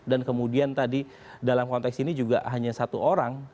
dan kemudian tadi dalam konteks ini juga hanya satu orang